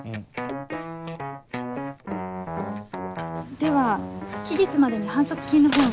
では期日までに反則金のほうを。